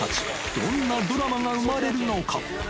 どんなドラマが生まれるのか。